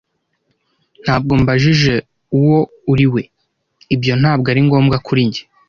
Ntabwo mbajije uwo uriwe, ibyo ntabwo ari ngombwa kuri njye,